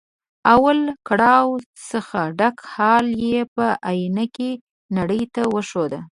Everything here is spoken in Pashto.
او له کړاو څخه ډک حال یې په ائينه کې نړۍ ته وښود.